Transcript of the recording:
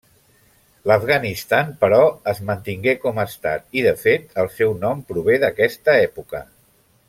L'Afganistan, però, es mantingué com Estat i, de fet, el seu nom prové d'aquesta època.